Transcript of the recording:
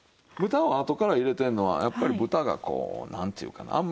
豚をあとから入れてるのはやっぱり豚がこうなんていうかな？